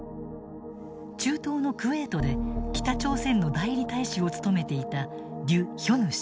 中東のクウェートで北朝鮮の代理大使を務めていたリュ・ヒョヌ氏。